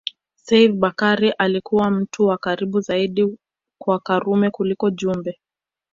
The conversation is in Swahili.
Seif Bakari alikuwa mtu wa karibu zaidi kwa Karume kuliko Jumbe